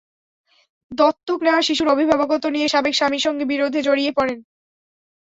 দত্তক নেওয়া শিশুর অভিভাবকত্ব নিয়ে সাবেক স্বামীর সঙ্গে বিরোধে জড়িয়ে পড়েন।